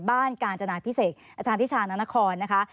การจนาพิเศษอาจารย์ทิชานานครนะคะ